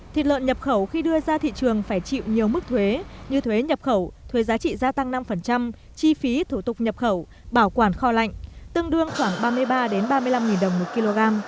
thịt lợn nhập khẩu khi đưa ra thị trường phải chịu nhiều mức thuế như thuế nhập khẩu thuế giá trị gia tăng năm chi phí thủ tục nhập khẩu bảo quản kho lạnh tương đương khoảng ba mươi ba ba mươi năm đồng một kg